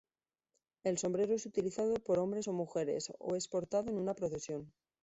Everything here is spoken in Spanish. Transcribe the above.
El sombrero es utilizado por hombres o mujeres o es portado en una procesión.